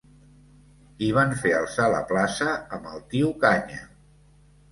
I van fer alçar la plaça amb el ‘Tio Canya’.